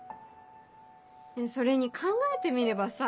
それに考えてみればさ